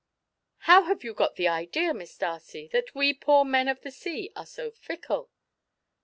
How have you got the idea, Miss Darcy, that we poor men of the sea are so fickle?"